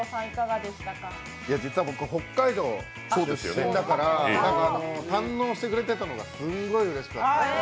実は僕、北海道出身だから堪能してくれてたのがすんごいうれしかった。